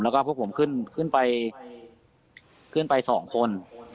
แล้วก็พวกผมขึ้นไป๒คน